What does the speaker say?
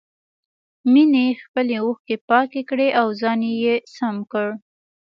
مينې خپلې اوښکې پاکې کړې او ځان يې سم کړ.